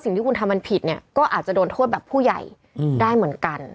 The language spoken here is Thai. สิ่งที่คุณทำมันผิดเนี่ยก็อาจจะโดนโทษแบบผู้ใหญ่ได้เหมือนกัน